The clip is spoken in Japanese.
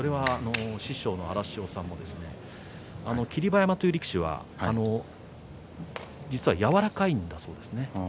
師匠も言ってました霧馬山という力士は実は柔らかいんだそうですね。